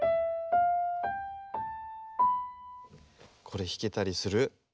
これひけたりする？